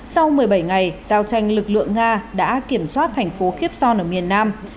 sau một mươi bảy ngày giao tranh lực lượng nga đã kiểm soát thành phố kyivson ở miền nam